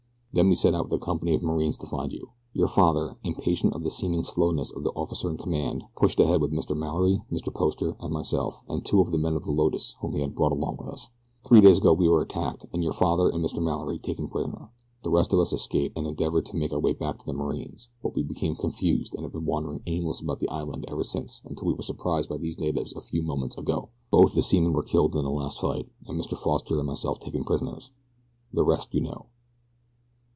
"Then we set out with a company of marines to find you. Your father, impatient of the seeming slowness of the officer in command, pushed ahead with Mr. Mallory, Mr. Poster, and myself, and two of the men of the Lotus whom he had brought along with us. "Three days ago we were attacked and your father and Mr. Mallory taken prisoners. The rest of us escaped, and endeavored to make our way back to the marines, but we became confused and have been wandering aimlessly about the island ever since until we were surprised by these natives a few moments ago. Both the seamen were killed in this last fight and Mr. Foster and myself taken prisoners the rest you know."